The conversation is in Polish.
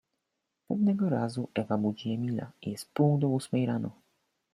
Pewnego razu Ewa budzi Emila: Jest pół do ósmej rano.